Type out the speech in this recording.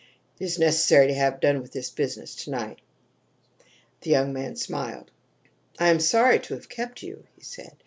"It is necessary to have done with this business to night." The young man smiled. "I am sorry to have kept you," he said.